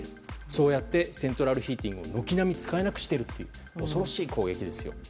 そうやってセントラルヒーティングを軒並み使えなくしているという恐ろしい攻撃ですよ。